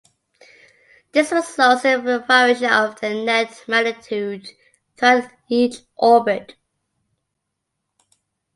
This results in a variation of their net magnitude throughout each orbit.